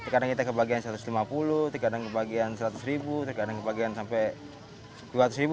kadang kita kebagian rp satu ratus lima puluh kadang kebagian rp seratus kadang kebagian sampai rp dua ratus